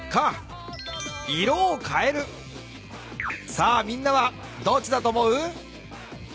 さあみんなはどっちだと思う？